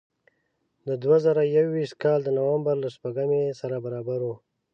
د دوه زره یو ویشت کال د نوامبر له شپږمې سره برابر و.